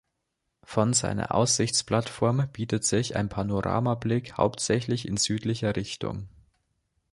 Von seiner Aussichtsplattform bietet sich ein Panoramablick hauptsächlich in südlicher Richtung.